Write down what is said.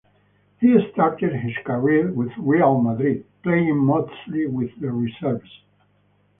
He started his career with Real Madrid, playing mostly with the reserves.